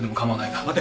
待て。